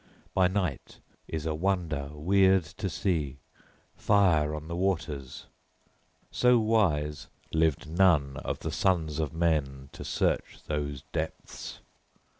By night is a wonder weird to see, fire on the waters. So wise lived none of the sons of men, to search those depths!